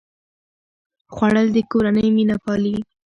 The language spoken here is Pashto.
خوړل د کورنۍ مینه پالي